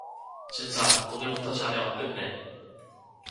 진사, 오늘부터 자네와 끊네.